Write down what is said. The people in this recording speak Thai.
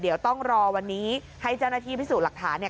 เดี๋ยวต้องรอวันนี้ให้เจ้าหน้าที่พิสูจน์หลักฐานเนี่ย